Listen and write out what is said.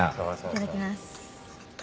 いただきます。